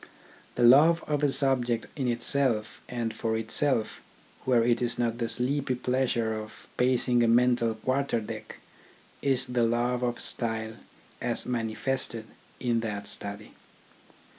The love of a subject in itself and for itself, where it is not the sleepy pleasure of pacing a mental quarter deck, is the love of style as manifested in that study.